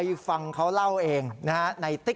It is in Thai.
คุณน้องตอบคำถามเหมือนหน้างามเลย